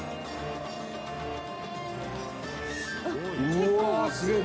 「うわーすげえ！